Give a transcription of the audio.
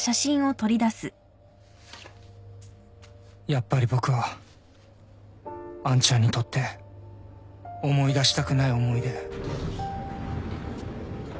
やっぱり僕は杏ちゃんにとって思い出したくない思い出